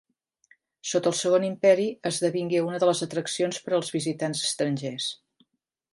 Sota el Segon Imperi esdevingué una de les atraccions per als visitants estrangers.